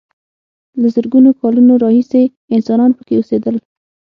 له زرګونو کالونو راهیسې انسانان پکې اوسېدل.